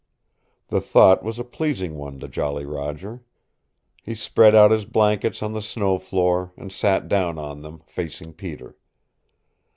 The thought was a pleasing one to Jolly Roger. He spread out his blankets on the snow floor, and sat down on them, facing Peter.